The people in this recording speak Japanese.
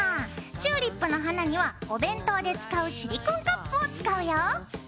チューリップの花にはお弁当で使うシリコンカップを使うよ。